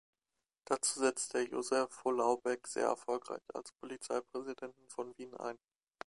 Dazu setzte er Josef Holaubek sehr erfolgreich als Polizeipräsidenten von Wien ein.